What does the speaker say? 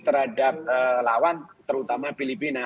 terhadap lawan terutama filipina